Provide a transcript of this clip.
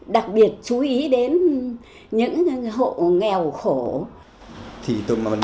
đặc biệt chú ý đến những hộ nghèo khổ